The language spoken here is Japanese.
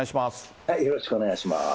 よろしくお願いします。